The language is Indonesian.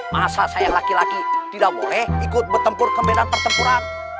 masa saya laki laki tidak boleh ikut bertempur ke medan pertempuran